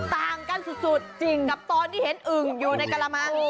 ต่างกันสุดกับตอนที่เห็นอึงอยู่ในกร๒๐๑๘